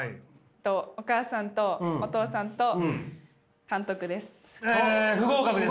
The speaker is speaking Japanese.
お母さんとお父さんと監督です。